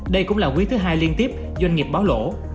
đây cũng là quý thứ hai liên tiếp doanh nghiệp báo lỗ